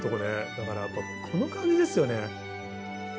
だからやっぱこの感じですよね。